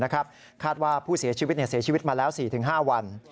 คาดว่าผู้เสียชีวิตเสียชีวิตมาแล้ว๔๕วัน